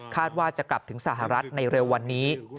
ว่าจะกลับถึงสหรัฐในเร็ววันนี้